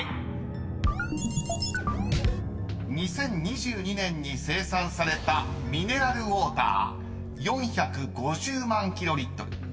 ［２０２２年に生産されたミネラルウォーター４５０万キロリットル］